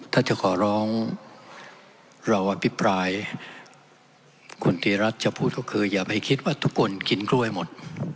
ถ้าจะขอร้องเราอภิปรายคุณติรัฐจะพูดก็คืออย่าไปคิดว่าทุกคนกินกล้วยหมด